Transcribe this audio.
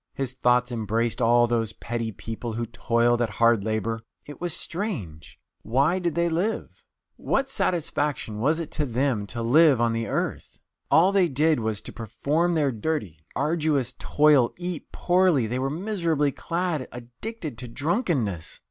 "His thoughts embraced all those petty people who toiled at hard labour. It was strange why did they live? What satisfaction was it to them to live on the earth? All they did was to perform their dirty, arduous toil, eat poorly; they were miserably clad, addicted to drunkenness.